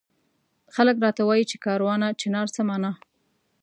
خلک راته وایي چي کاروانه چنار څه مانا؟